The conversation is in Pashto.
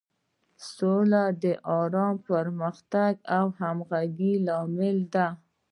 سوله د ارامۍ، پرمختګ او همغږۍ لامل ده.